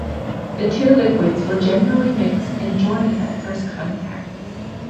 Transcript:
The two liquids will generally mix and join at first contact.